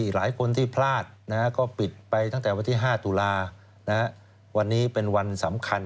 หลายคนที่พลาดก็ปิดไปตั้งแต่วันที่๕ตุลาวันนี้เป็นวันสำคัญ